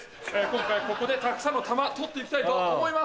今回ここでたくさんの球捕って行きたいと思います！